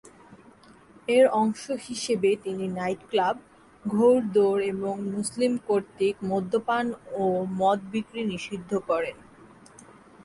এর অংশ হিসেবে তিনি নাইটক্লাব, ঘৌড়দৌড় এবং মুসলিম কর্তৃক মদ্যপান ও মদ বিক্রি নিষিদ্ধ করেন।